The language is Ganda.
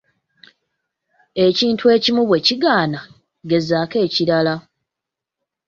Ekintu ekimu bwe kigaana, gezaako ekirala.